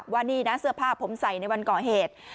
ว่านี่นะเสื้อผ้าผมใส่ในวันก่อเหตุ